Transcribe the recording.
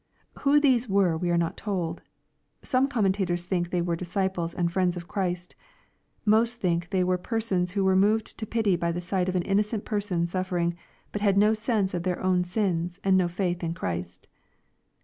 ] Who these were we are not told. Some commentators think they were disciples and friends of Christ. Most think that they were persons who were moved to pity by the sight of an innocent person suffering, but had no sense of their own sins, and no faith in Christ.